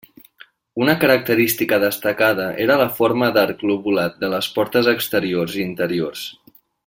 Una característica destacada era la forma d'arc lobulat de les portes exteriors i interiors.